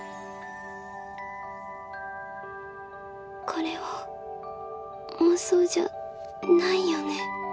これは妄想じゃないよね？